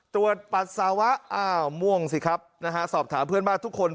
ปัสสาวะอ้าวม่วงสิครับนะฮะสอบถามเพื่อนบ้านทุกคน